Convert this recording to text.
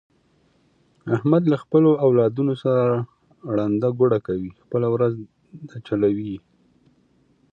احمد له خپلو اولادونو سره ړنده ګوډه کوي، خپله ورځ ده چلوي یې.